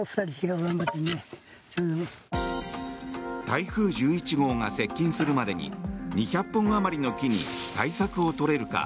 台風１１号が接近するまでに２００本あまりの木に対策を取れるか